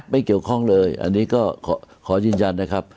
ไม่เกี่ยวข้องเลยอันนี้ก็ขอยืนยันนะครับ